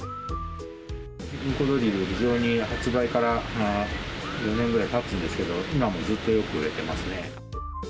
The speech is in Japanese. うんこドリル、非常に、発売から４年ぐらいたつんですけど、今もずっとよく売れてますね。